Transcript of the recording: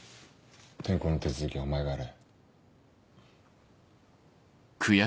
転校の手続きはお前がやれ。